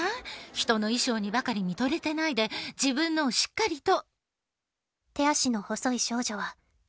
ひとの衣装にばかり見とれてないで自分のをしっかりと」。